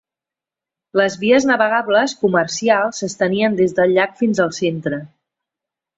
Les vies navegables comercials s'estenien des del llac fins al centre.